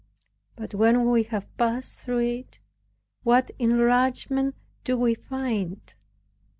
But when we have passed through it, what enlargement do we find!